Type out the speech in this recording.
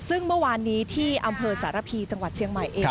ซึ่งเมื่อวานนี้ที่อำเภอสารพีจังหวัดเชียงใหม่เอง